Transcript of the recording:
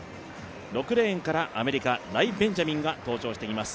６レーンからアメリカライ・ベンジャミンが登場してきます。